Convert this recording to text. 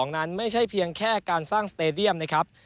นั้นไม่ใช่เพียงแค่การสร้างสเตดียมนะครับ